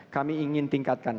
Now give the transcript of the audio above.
kami ingin tingkatkan